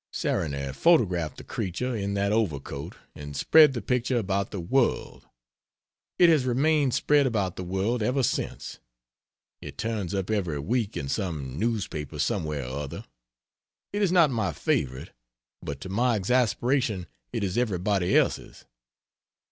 Sarong photographed the creature in that overcoat, and spread the picture about the world. It has remained spread about the world ever since. It turns up every week in some newspaper somewhere or other. It is not my favorite, but to my exasperation it is everybody else's.